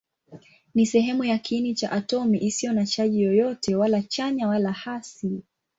Ni sehemu ya kiini cha atomi isiyo na chaji yoyote, wala chanya wala hasi.